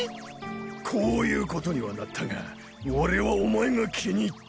こういうことにはなったが俺はお前が気に入った。